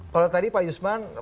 kalau tadi pak yusman